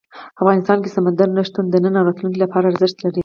افغانستان کې سمندر نه شتون د نن او راتلونکي لپاره ارزښت لري.